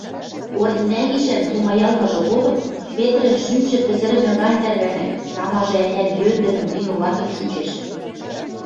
Оринӓ гишӓн тумаялмыжы годым Петрӹн шӱмжӹ пӹзӹрӹмӹ гань тӓрвӓнӓ, тамажы-ӓнят йӧндӹмӹн, виноватын чучеш.